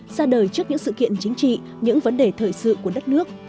ra đời trước những sự kiện chính trị những vấn đề thời sự của đất nước